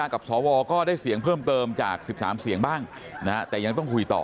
กับสวก็ได้เสียงเพิ่มเติมจาก๑๓เสียงบ้างแต่ยังต้องคุยต่อ